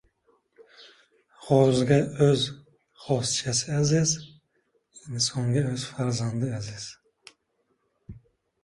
• G‘ozga o‘z g‘ozchasi aziz, insonga o‘z farzandi aziz.